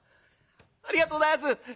「ありがとうございます。